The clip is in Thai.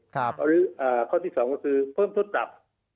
หรือข้อที่๒ก็คือเพิ่มโทษจับ